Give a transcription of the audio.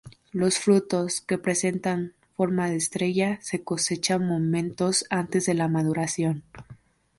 Los frutos, que presentan forma de estrella, se cosechan momentos antes de la maduración.